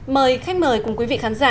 mời khách mời cùng quý vị khán giả